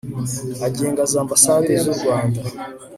agenga za Ambasade z u Rwanda